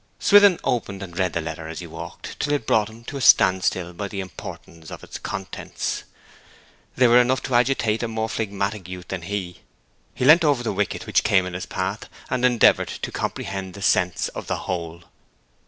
Swithin opened and read the letter as he walked, till it brought him to a standstill by the importance of its contents. They were enough to agitate a more phlegmatic youth than he. He leant over the wicket which came in his path, and endeavoured to comprehend the sense of the whole.